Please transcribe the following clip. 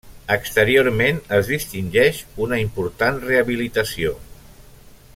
Exteriorment es distingeix una important rehabilitació.